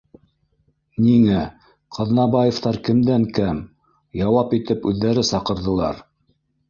Ниңә, Ҡаҙнабаевтар кемдән кәм, яуап итеп үҙҙәре саҡырҙылар